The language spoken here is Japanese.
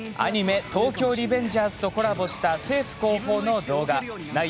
アニメ「東京リベンジャーズ」とコラボした政府広報の動画。